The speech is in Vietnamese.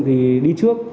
thì đi trước